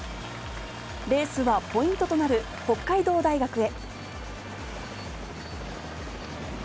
レースはポイントとなる北海道大学へ。